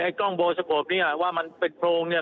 ให้กล้องโบสถ์บอกว่ามันเป็นโพงเนี่ย